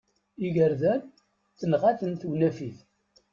Igerdan tenɣa-ten tewnafit.